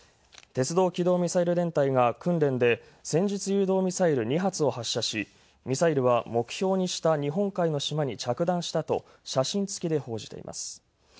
鉄道機動ミサイル連隊が、実戦方式の訓練で「戦術誘導ミサイル」２発を発射し、ミサイルは目標にした日本海の島に着弾したと写真つきで報じています。